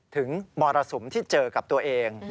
มรสุมที่เจอกับตัวเอง